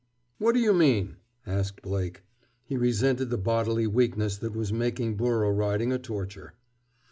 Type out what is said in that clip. "What do you mean?" asked Blake. He resented the bodily weakness that was making burro riding a torture.